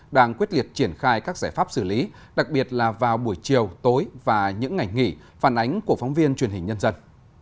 đang quyết liệt triển khai các giải pháp xử lý đặc biệt là vào buổi chiều tối và những ngày nghỉ phản ánh của phóng viên truyền hình nhân dân